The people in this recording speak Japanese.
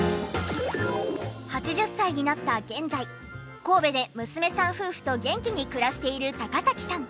８０歳になった現在神戸で娘さん夫婦と元気に暮らしている高崎さん。